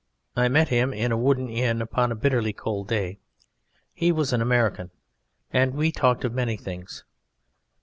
I met him in a wooden inn upon a bitterly cold day. He was an American, and we talked of many things.